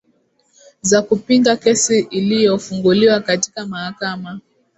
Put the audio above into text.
za kupinga kesi iliofunguliwa katika mahakama